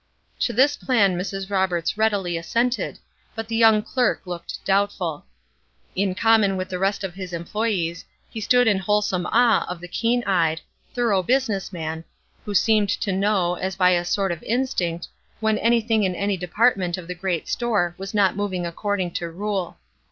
To this plan Mrs. Roberts readily assented, but the young clerk looked doubtful. In common with the rest of his employees, he stood in wholesome awe of the keen eyed, thorough business man, who seemed to know, as by a sort of instinct, when anything in any department of the great store was not moving according to rule.